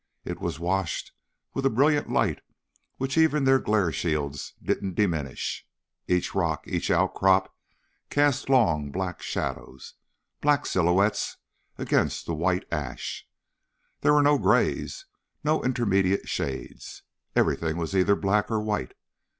It was washed with a brilliant light which even their glare shields didn't diminish. Each rock, each outcrop cast long black shadows black silhouettes against the white ash. There were no grays, no intermediate shades. Everything was either black or white.